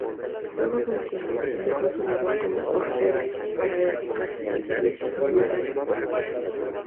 Luego de un tiempo, dejó su labor como orfebre, para dedicarse al servicio comunitario.